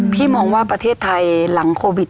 พี่มองว่าประเทศไทยหลังโควิด